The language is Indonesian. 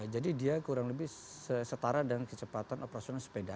jadi dia kurang lebih setara dengan kecepatan operasional sepeda